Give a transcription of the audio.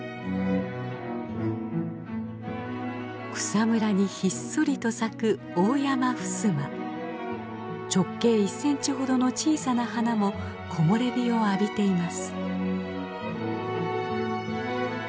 草むらにひっそりと咲く直径１センチほどの小さな花も木漏れ日を浴びています。